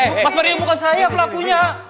mas baria bukan saya pelakunya